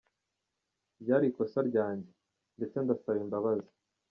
Ryari ikosa ryanjye, ndetse ndasaba imbabazi.